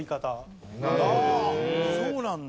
ああそうなんだ。